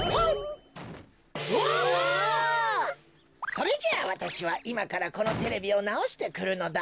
それじゃあわたしはいまからこのテレビをなおしてくるのだ。